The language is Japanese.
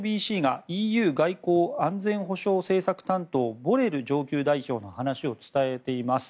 ＣＮＢＣがＥＵ外交・安全保障政策担当ボレル上級代表の話を伝えています。